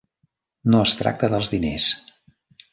No es tracta dels diners.